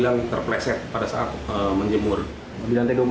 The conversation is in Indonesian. lalu terpeleset hingga akhirnya jatuh dari ketinggian